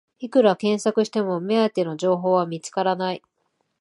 いくら検索しても目当ての情報は見つからない